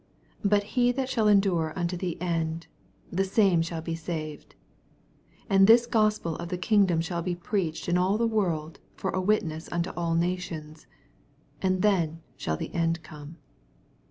13 But he that shall endure unto the end, the same shall be saved. 14 And this Gospel of the kin^om shall be preached m all the world fof a witness ul^to all nations ; and then shall the end come.